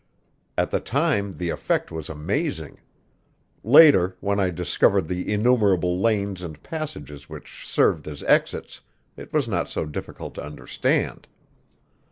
At the time the effect was amazing; later, when I discovered the innumerable lanes and passages which served as exits, it was not so difficult to understand.